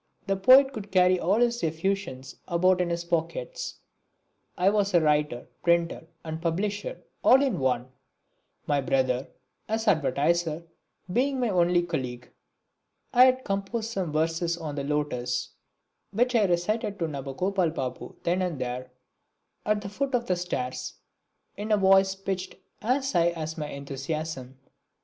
The poet could carry all his effusions about in his pockets. I was writer, printer and publisher, all in one; my brother, as advertiser, being my only colleague. I had composed some verses on The Lotus which I recited to Nabagopal Babu then and there, at the foot of the stairs, in a voice pitched as high as my enthusiasm.